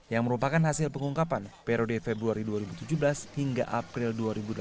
yang merupakan hasil pengungkapan periode februari dua ribu tujuh belas hingga april dua ribu delapan belas